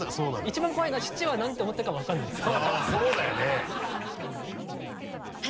一番怖いのは父は何て思ってるか分からないです。